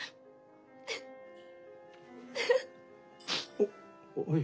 おっおい